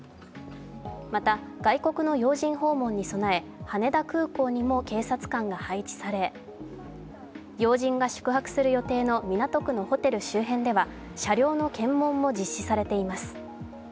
また、外国の要人訪問に備え、羽田空港にも警察官が配置され、要人が宿泊する予定の港区のホテル周辺では車両の検問も実施されています。